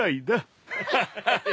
ハハハハ。